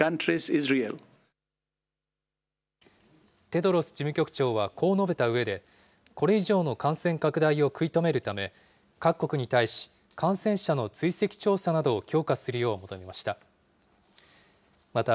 テドロス事務局長はこう述べたうえで、これ以上の感染拡大を食い止めるため、各国に対し、感染者の追跡調査などを強化するよう求めました。